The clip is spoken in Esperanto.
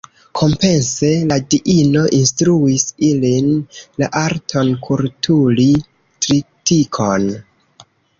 Kompense, la diino instruis ilin la arton kulturi tritikon.